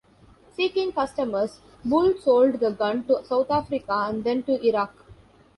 Seeking customers, Bull sold the gun to South Africa and then to Iraq.